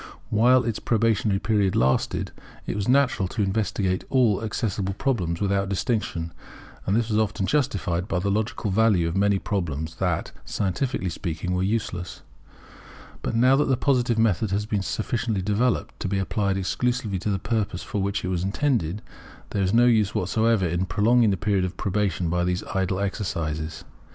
While its probationary period lasted, it was natural to investigate all accessible problems without distinction; and this was often justified by the logical value of many problems that, scientifically speaking, were useless. But now that the Positive method has been sufficiently developed to be applied exclusively to the purpose for which it was intended, there is no use whatever in prolonging the period of probation by these idle exercises.